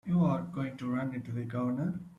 You're going to run into the Governor.